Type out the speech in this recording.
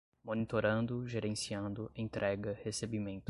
monitorando, gerenciando, entrega, recebimento